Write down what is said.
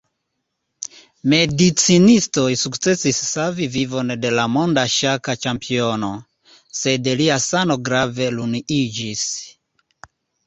Medicinistoj sukcesis savi vivon de la monda ŝaka ĉampiono, sed lia sano grave ruiniĝis.